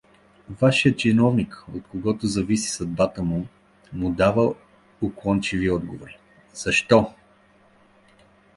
Важният чиновник, от когото зависи съдбата му, му дава уклончиви отговори… Защо?